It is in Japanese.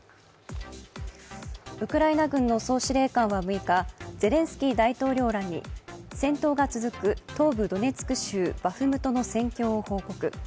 ウクライナ軍の総司令官は６日、ゼレンスキー大統領らに戦闘が続く東部ドネツク州バフムトの戦況を報告。